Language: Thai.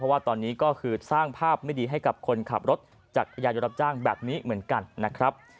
ว่าตอนนี้ก็คือสร้างภาพไม่ดีให้กับคนขับรถจักรยานยนต์รับจ้างแบบนี้เหมือนกันนะครับ